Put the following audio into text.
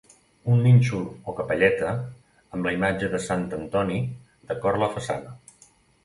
Un nínxol o capelleta, amb la imatge de Sant Antoni, decora la façana.